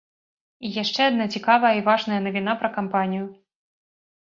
І яшчэ адна цікавая і важная навіна пра кампанію.